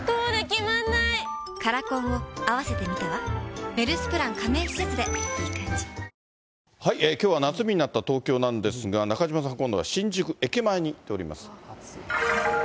Ｔｒｙａｎｄｄｉｓｃｏｖｅｒきょうは夏日になった東京なんですが、中島さん、今度は新宿駅前に行っております。